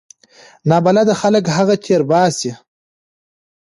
نابلده خلک هغه تیر باسي.